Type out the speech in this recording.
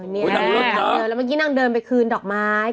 แล้วเมื่อกี้นางเดินไปคืนดอกไม้